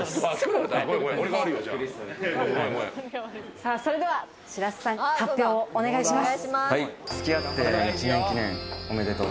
さぁ、それでは白洲さん、発表お願いします。